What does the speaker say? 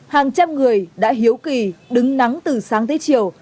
hàng trăm người đã hiếu kỳ đứng nắng từ sáng tới chiều